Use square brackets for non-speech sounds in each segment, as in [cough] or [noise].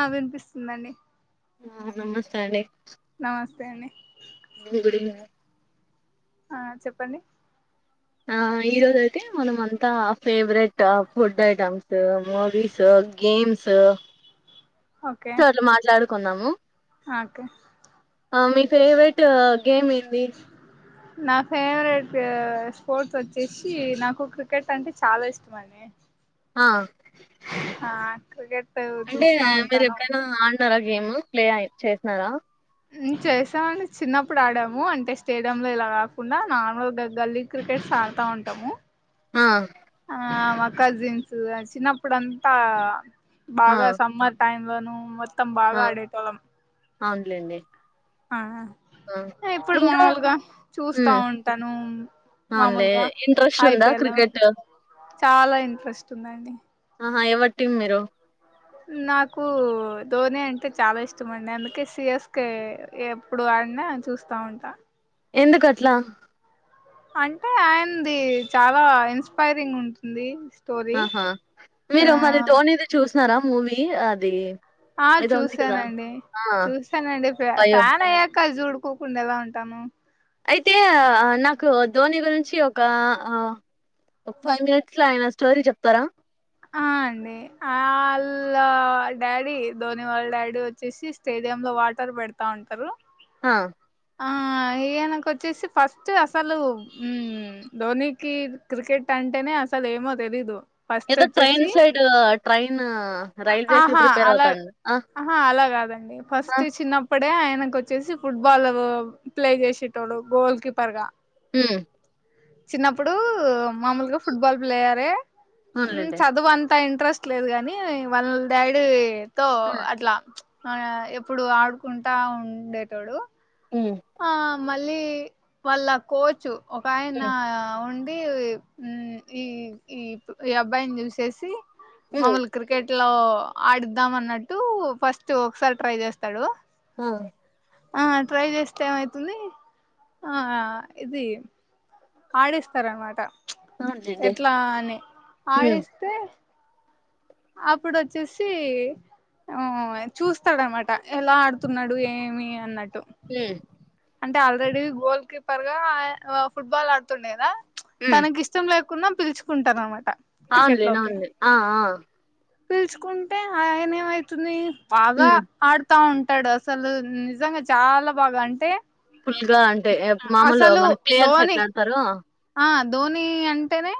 ఆ వినిపిస్తుందండి ఆ నమస్తే అండి నమస్తే అండి గుడ్ ఈవినింగ్ ఆ చెప్పండి ఆ ఈరోజైయితే మనం అంతా favourite food items, movies, games, తు అట్ల్ మాట్లాడు కున్నాము అకే మీ ఫెవరెట్ నా ఫేవరెట్ స్పోర్ట్స్ వచ్చేసి నాకు క్రికెట్ అంటే చాలా ఇష్టం అండి. ఆ ఆ క్రికెట్ చూస్తా ఉంటాను తార గేమ్ ప్లే చేస్నా రా హ్మ్ చేసామండి చిన్నప్పుడు ఆడాము అంటే స్టేడియ లో ఇలా కాకుండా నార్మల్గా గల్లీ క్రికెట్స్ ఆడతా ఉంటాము. ఆ ఆ మా కజిన్స్ తో ఆ చిన్నప్పుడంతా ఆ బాగా సమ్మర్ టైం వాను మొత్తం ఆ బాగా అడతళం అవునులేండి ఆ ఆ ఇప్పుడు ఇంకా మామూలుగా చూస్తా ఉమ్ ఉంటాను అవునులే మామలుగా ఇంట్రెస్ట్ ఉందా అయిపోయలా క్రికెట్ చాలా ఇంట్రెస్ట్ ఉందండి ఆహా ఎవర్ టీం మీరు నాకు ధోని అంటే చాలా ఇష్టమండి అందుకే సి ఎస్ కే ఎప్పుడు ఆడినా చూస్తా ఉంటా ఎందుకట్లా అంటే ఆయనది చాలా ఇన్స్పైరింగ్ ఉంటుంది స్ ఆహా మీరు మరి ధోనిది చూసినారా మూవి యి అది ఆ ఏదో ఉంది కదా చూసానండి ఆ చూసానండి అయ్యో ఫ్యాన్ అయ్యాక చూడు క్కకుండా ఎలా ఉంటాము అయితే నాకు ధోని గురించి ఒక ఆ ఒక ఫైవ్ మినిట్స్ లో ఆయన స్టోరీ చెప్తారా ఆ అండి వా వాళ్ళ డాడీ ధోని వాళ్ళ డాడీ వచ్చేసి స్టేడియ లో వాటర్ పెడతా ఉంటారు ఆ ఆ ఈయనకు వచ్చేసి ఫస్ట్ అసలు ఉ ధోనికి క్రికెట్ అంటేనే అసలు ఏమో తెలీదు ఫస్ట్ ఏదో ట్రైన్ వచ్చేసి సైడ్ ట్రై ఆహా అలా ఆ ఆహా అలా కాదండి ఆ ఫస్ట్ చిన్నప్పటి అంటే ఆయనకు వచ్చేసి ఫుట్బాల్ ప్లే చేసేటోడు గోల్ కీపర్ గా ఉమ్ చిన్నప్పుడు మామూలుగా ఫుట్బాల్ ప్లేయారే ఉమ్ అవునులేండి చదువు అంతా ఇం ఇంట్రెస్ట్ లేదు కాగాని వాళ్ళ డాడీ తో ఉమ్ అట్లా మన ఎప్పుడు ఆడుకుంటా ఉండేటోడు ఉమ్ ఆ మళ్ళీ వాళ్ళ కోచ్ ఒక ఆయనా ఉమ్ ఉ అ ఉమ్ ఈ ఈ ఈ అబ్బాయిని చూసేసి ఉమ్ మాములు క్రికెట్ ఇట్లా ఆడుద్దాం అన్నట్టు ఫస్ట్ ఒకసారి ట్రై చేస్తాడు ఉమ్ ఆ ట్రై చేస్తా ఏమైతుంది ఆ ఇది ఆడిస్తారనమాట అవునులేండి ఎట్లా అని ఉమ్ ఆడిస్తే అప్పుడు వచ్చేసి ఊ చూస్తాడనమాట ఎలా ఆడుతున్నాడు ఏమి అన్నట్టు హ్మ్ అంటే ఆల్రెడీ గోల్డ్ కీపర్ గా ఆ ఫుట్బాల్ ఆడుతుండేన ఉమ్ తనకిష్టం లేవు కొందరు పిల్చుకుంటారనమాట అవునులే అవునులే ఆ ఆ పిలుచుకుంటే ఆయన ఏమవుతుంది బాగా ఉమ్ ఆడుతా అట్టాడు అసలు నిజంగా చాలా బాగా అంటే ఫుల్ గా అంటే మామూలు అసలు మన క్లియర్స్ ధోని ఎట్లాలాడుతారొ ఆ ధోని అంటెనే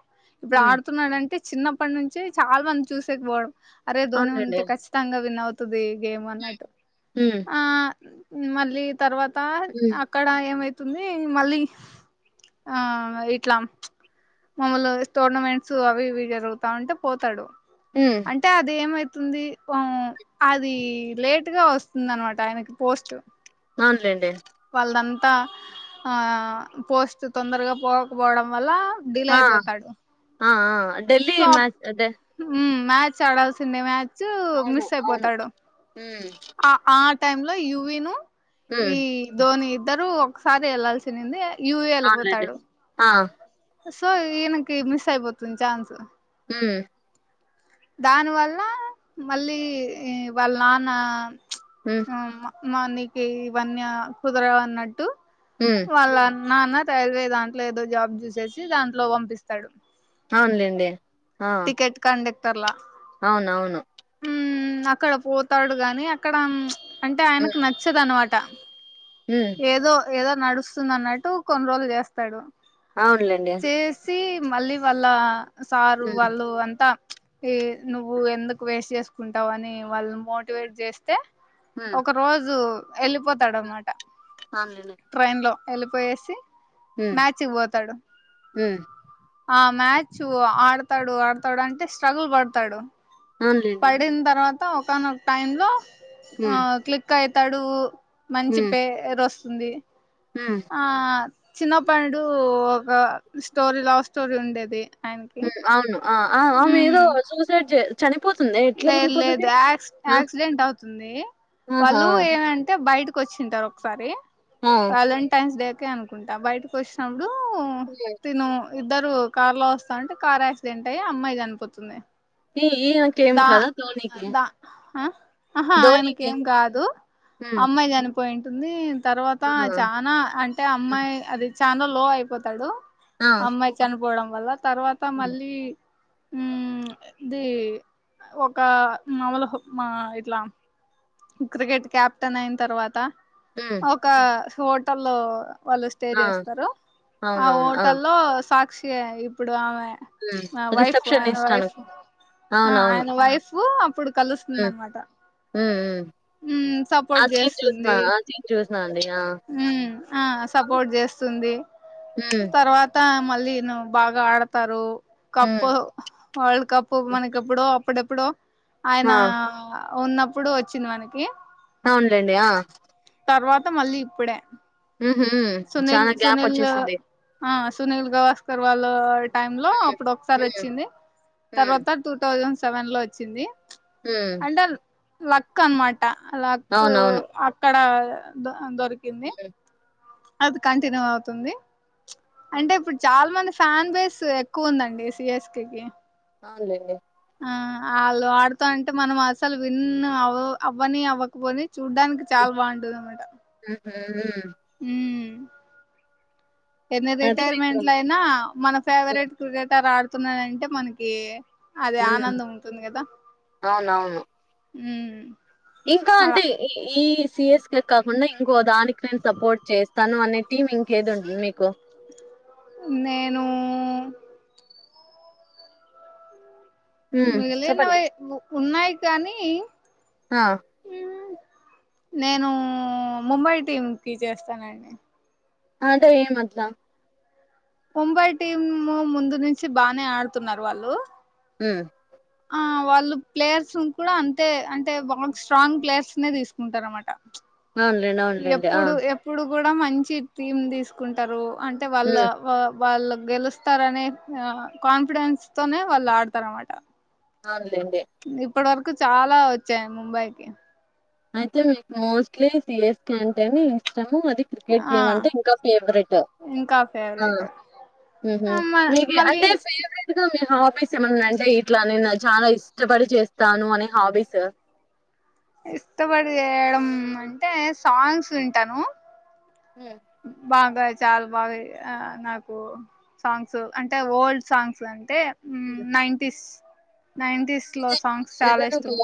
ఇప్పుడు ఉమ్ ఆడుతున్నాడంటే చిన్నప్పటి నుంచి చాల మంది చూసేకిపోవడం అరే ధోని అవునులేండి ఉంటే ఖచ్చితంగా విన్ అవ్ త్తుద్దీ గేమన్నట్టు ఉమ్ ఊ మళ్లీ తర్వాతా ఉమ్ అక్కడ ఏమై తుంది మళ్లీ ఇట్లా మామూలు టోర్నమెంట్స్ అవి ఇవి జరుగుతా ఉంటే పోతాడు ఉమ్ అంటే అది ఎమై స్తుంది ఊ అది లేటుగా వస్తుంది అనమాట ఆయనకి పోస్ట్ ఔను లేండి వాళ్దంతా, ఆ పోస్ట్ తొందరగా పోకపోవడం వల్ల డిలే ఆ అయిపోతాడు ఆఆ ఢిల్లీ సో మ్యాచ్ అది మ్మ్ మ్యాచ్ ఆడాల్సిందే మ్యా చ్చూ మిస్ ఐపోతాడు హ్మ్ టైమ్ లో యూవీ ను ఈ ధోని ఇద్దరు ఒకసారి వెళ్లాల్సినింది యువి అవున్లెండి వెళ్ళిపోతాడు ఆ సో ఇయనకి మిస్ అయిపోతుంది చాన్సు హు దాని వల్ల మళ్ళీ వాళ్ళ నాన్న ఉమ్ నమ్మ మా నీకి వన్య కుదర వన్నట్టు ఉమ్ వాళ్ళన్ నాన్న రైల్వే దాంట్లో ఏదో జాబ్ చూసేసి దాంట్లో పంపిస్తాడు ఔన్లేండి టికెట్ కండక్ టర్లా అవునవును అక్కడ పోతాడు గాని అక్కడ అంటే ఉమ్ ఆయనకు నచ్చదనమాట ఉమ్ ఏదో ఏదో నడుస్తుంది అన్నట్టు కొన్ని రోజులు చేస్తాడు అవునులేండి చేసి మళ్ళీ వాళ్ళ స ఉమ్ వాళ్ళు అంతా ఈ నువ్వు ఎందుకు వేస్ట్ చేసుకుంటావు అని వాళ్ళు మోటివేట్ చేస్తే ఒక రోజు ఎళ్ళిపోతాడు అన్మా అన్లనే ఎళ్ళిపోయేసి మ్యాచ్కు వోతాడు ఉమ్ ఆ మ్యాచ్ ఆడు ఆడతాడు ఆడతాడంటే స్ట్రగుల్ బడుతాడు అవునులేండి పడిన్ తర్వా త్త ఒకనొ టైంలో ఆ ఉమ్ క్లిక్ అయి తడు మంచి ఉమ్ పే రొస్ తుంది ఉమ్ ఆ చిన్నప్పడు ఒక స్టోరీ లవ్ స్టోరీ ఉండేది ఆయనకి ఉ అవును ఆ ఆ ఆమె ఉమ్ ఏదో సూసైడ్ జే లేదు లేదు క్ ఆ యాక్సిడెంట్ అవుతుంది ఆహా వాళ్ళు ఏమంటే బయట వచ్చింటారు ఒకసారి ఆ వాలంటైన్స్ డే ే అనుకుంటా బయటకు వచ్చినం ఇప్పుడు ఉమ్, తను ఇద్దరు కార్ లో వస్తా అంటే కార్ యాక్సిడెంట్ అయ్యి అమ్మాయి చనిపోతుంది ఈ ఈయనకేం దా కదా ధోనికి దా అ ఆహా ధోనికి ఆయనకేం కాదు ఉమ్ అమ్మాయి జని పాయింట్ ఉంది తర్వాత చానా అంటే అమ్మాయి అది చానా లో అయిపోతాడు ఆ ఉమ్, ఆ అమ్మాయి చనిపోవడం మళ్ల తర్వాత ఉమ్ మళ్ళీ ఉ ఇది ఒక మామలు మా ఇట్లా క్రికెట్ కెప్టెన్ అయిన తర్వాత ఉమ్ ఒక హోటల్లో వాళ్ళు స్టే ఆ చేస్తారు ఆ అవునవును ఉమ్ హోటల్లో సా ఇప్పుడు ఆమె వైఫయన రిసెప్షనిస్ట్ వైఫ అను అవునవును. ఆయన వైఫ కలుస్తుంద హ్మ్. అనమాట ఉమ్ [inaudible] ఆ! హ్మ్మ్ ఆ అవును. సపోర్ట్ చేస్తుంది హ్మ్. తర్వాత మళ్ళీను బాగా ఆడతారు హ్మ్. కప్పు వర్ల్డ్ కప్పు మనకిప్పుడు ఎప్పుడు ఎప్పుడ ఆయన ఆ! ఉన్నప్పుడు వచ్చింది మనకి అవునులేండి తర్వాత మళ్ళీ ఇప్పుడే హుహు. హ్మ్. సునీల్ చాలా గ్యాప్ సునీల్ ఒచ్చేసింది. సునీల్ గవాస్కర్ వాళ్ళ టైమ్ లో హ్మ్. అప్పుడు ఒకసారి హ్మ్. వచ్చింది హ్మ్. తర్వాత టూ థౌజండ్ సెవెన్ లో వచ్చింది హ లక్క అన్మాట ఆ లక్కు అక్కడ దొ దొర్ కింది హ్మ్. అది కంటిన్యూ అవుతుంది అంటే హ్మ్. ఇప్పుడు చాలా మంది ఫ్యాన్ బేస్ ఎక్కువ ఉందండి సిఎస్కేకిి అవునులేండి ఆ ఆళ్ళు ఆడుతా అంటే మనం అసలు విన్న అవ్ అవ్వని అవ్వకపోని చూడ్డానికి చాల్ బాగుంటది అన్నమాట హు హుమ్ హుమ్ ఎన్ని అదే మీకు రిటైర్మెంట్లైన అయినా మన హ్మ్. ఫేవరెట్ క్రికెటర్ ఆడు వస్తున్నాడంటే మనకి అదే హ్మ్. ఆనందం ఉంటుంది కదా అవునవును. హుమ్ ఇంకా అంటే ఇ ఈ సిఎస్ కే కాకుండా ఇన్ దానికి నేను సపోర్ట్ చేస్తాను అనే టీం ఇంకేది ఉంటది మీకు నేను హ్మ్. చెప్పండి. మిగిలినవి ఉన్నాయి కానీ ఆ! నేను ముంబై టీం కి చేస్తనండి అంటే ఏమ్ అట్లా ముంబై టీము ముందు నుంచి బానే ఆడుతున్నారు వాళ్ళు హుమ్ ఆ వాళ్ళు ప్లేయర్స్ కూడా అంతే అంటే బాగా స్ట్రాంగ్ ప్లేయర్స్ నే తీసుకుంటారనమాట అవునులేండి అవునులేండి ఆ కూడా మంచి థీమ్ తీసుకుంటారు అంటే వాళ్ళ హ్మ్. వా వాళ్ళు గెలుస్తారనే ఆ కాన్ఫిడెన్స్ తోనే వాళ్ళు ఆడతారనమాట ఆడ ఇప్పుడు వరక్ చాలా వచ్చాయ ముంబైకి అయితే మీకు మోస్ట్లీ సిఎస్ కే అంటేనే ఇ ఇష్టము అది క్రికెట్ ఆ గేమ్ అంటే ఇంకా ఫేవరెట్ ఆ ఇంకా ఫేవరెట్ హుమ్ హు మీకు మళ్ళీ అంటే ఫేవరెట్ గా మీ హా హబీస్ ఏమన్నా అంటే ఇట్లా నేను చాలా ఇష్టపడి చేస్తాను అనే హబీసు ఇష్టపడి చేయడం అంటే సాంగ్స్ వింటాను ఉ బాగా చాలా బాగా నాకు సాంగ్స్ అంటే ఓల్డ్ సాంగ్స్ అంటే ఊమ్ హ్మ్. నైన్టీస్ నైన్టీస్ లో అదే సాంగ్స్ చాలా ఏదైనా ఒక ఇష్టం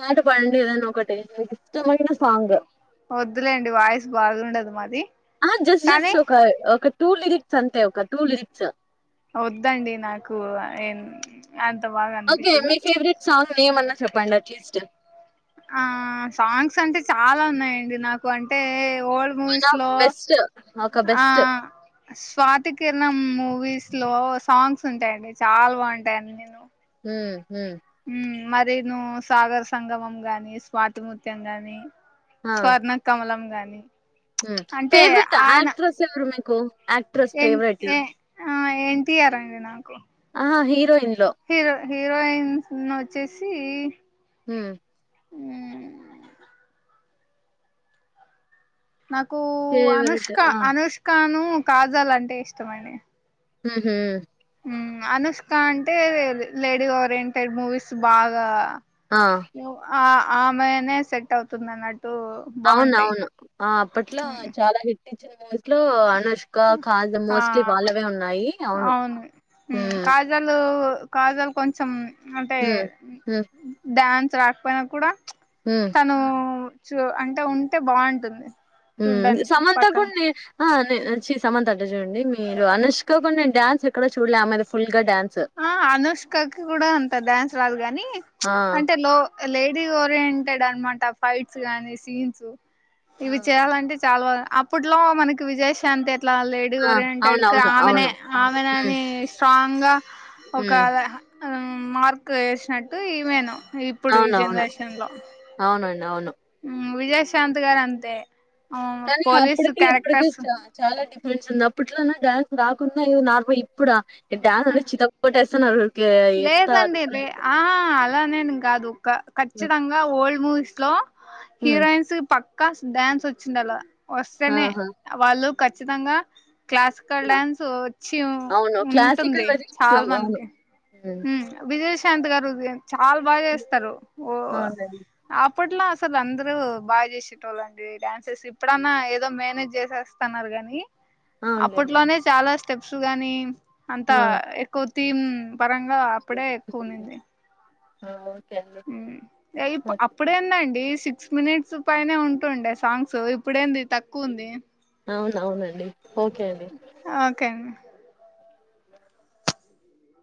పాట పాడండి ఏదన్న ఒకటి మీకు ఇష్టమైన సాంగ్ వద్దులేండి వాయిస్ బాగుండదు మరి ఆ జస్ట్ జస్ట్ ఒక ఒక టూ లిరిక్స్ అంతే ఒక టూ లిరిక్స్ వద్దండి నాకు ఏన్ అ ఓకే మీ ఫేవరెట్ సాంగ్ నేమ్ అన్న చెప్పు ప్పండి అట్లెస్ట్ ఆ సాంగ్స్ అంటే చాలా ఉన్నాయండి నాకు అంటే ఓల్డ్ వన్ మూవిస్ ఆఫ్ లో బెస్ట్ ఒక ఆ best. Swathi Kiranam movies slow songs ఉంటాయండి చాలా బాగుంటాయి అన్నిను ఊ ఊ మరి ను సాగర్ సంగమం గాని స్వాతిముత్యం గాని స్వర్ణ కమలం కానీ హు ఫెవరెట్ ఆక్ట్రస్ ఎవరు మీకు ఆక్ట్రస్ ఎ ఫెవరెట్ ఏ ఆ ఎన్టీఆర్ అండి నాకు హా హీరోయిన్ హీరో హి హీరోయిన్స్ వచ్చేసి హు ఉమ్ నాకు ఫేవరెట్. అనుష్క ఆ! అనుష్కాను కాజల్ అంటే ఇష్టమండి ఉహు హు అనుష్క అంటే లేడీ ఓరియంటెడ్ మూవీస్ బాగా ఆ! ఊ ఆ ఆమెనే సెట్ అవుతుందిన్నట్టు అవున అవును అప్పట్లో ఉమ్ చాలా టిచర్ గాజు ఇట్లో అనుష్క కాజా మోస్ట్లీ ఆ వాళ్ళవే ఉన్నాయి అవును ఉమ్ కాజలు కొంచెం ఉమ్ అంటే హ్మ్. హ్మ్. డ్యాన్స్ రాకపోయినా కూడా హ్మ్. తను చూ అంటే ఉంటే బాగుంటుంది ఉ చూడ్డానికి సమంత పక్కన కూడా నే ఆ నే సమంత అడ్ చూడి మీరు అనుష్కోకుడా నేను డ్యాన్స్ ఎక్కడ చూడలే ఆమె మీది ఫుల్ ఆ అనుష్కకి కూడా అంత డ్యాన్స్ రాదు గాని ఆ! అంటే లో లేడీ ఓరియంటెడ్ అనమాట ఫైట్స్ గానీ సీన్స్ ఆ! ఇవి చేయాలంటే చాలా బ అప్పుట్లో మనకి విజయశాంతి ఇట్లా లేడీ ఆ! ఓరియంట అకి అవునవును. ఆమెనే అవును. హ్మ్. ఆమెని స్ట్రాంగ్ అంగా హ్మ్. ఒకళ ఉమ్ ఉమ్ మార్క్ వేసినట్టు ఇవేను ఇప్పుడు ఈ అవునవును. జనరేషన్ లో అవునండి. అవును విజయశాంత్ గారు అంతే కానీ పోలీసు అప్పటికి ఇప్పటికి క్యారెక్టర్స్ చ చాలా ఫస్ంది అప్పట్లోనే డ్యాన్స్ రాకుండా నార్మల్ ఇప్పుడా డ్యాన్స్ అ చితకోటసన్రుకి ఎంత అ అలా నేను కాదు కా కఖచ్చితంగా ఓల్డ్ మూస్ లో హా హ్మ్ హీరోయిన్స్ పక్క కాస్ డ్యాన్స్ వచ్చింది అలా వస్తేనే ఆహా వాళ్ళు ఖచ్చితంగా క్లాసికల్ డ్యాన్స్ వచ్చి అవును క్లాసికల్ వె వైపు చాల చూస్తున్నాం అవును మందికి హ్మ్ ఉమ్ విజ శాంతకారుగుంది చాలా బాగా చేస్తారు ఓ అవునండి ఆ అప్పట్లో అసలు అందరూ బాగా చేసేటోళ్ళండి డ్యాన్సెస్ ఇప్పుడన్నా ఏదో మేనేజ్ చేసేస్తున్నారు కాని అవునులేండి అప్పట్లోనే చాలాష్ట స్టెప్స్ గాని అంతా ఆ ఎక్కువ తిం పరంగా అప్పుడే ఎక్కువ ఉమ్, ఉడింది. ఆ అండి ఉమ్ అయిప్ ఓకే అప్పుడేందండి సిక్స్ మినిట్స్ పైనే ఉంటుండే సాంగ్స్ ఇప్పుడేంది తక్కువ ఉంది అవునవునండి. ఓకే అండి ఓకే అండి.